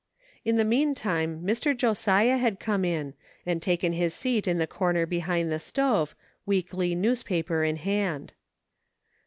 In the meantime, Mr. Josiah had come in, and taken his seat in the corner behind the stove, weekly newspaper in hand.